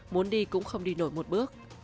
muốn đi cũng không đi nổi một bước